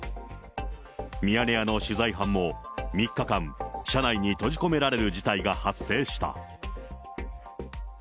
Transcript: ミヤネ屋の取材班も、３日間、車内に閉じ込められる事態が発生した。